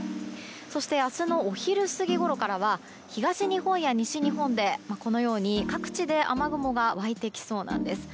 そして明日のお昼過ぎごろからは東日本や西日本の各地で雨雲が湧いてきそうなんです。